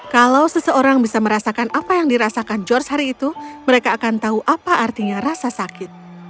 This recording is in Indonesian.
kalau seseorang bisa merasakan apa yang dirasakan george hari itu mereka akan tahu apa artinya rasa sakit